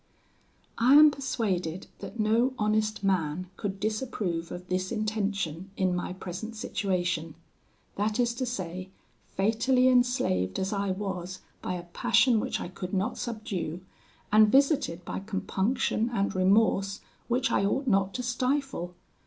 "I am persuaded that no honest man could disapprove of this intention in my present situation; that is to say, fatally enslaved as I was by a passion which I could not subdue, and visited by compunction and remorse which I ought not to stifle.